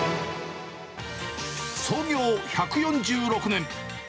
創業１４６年。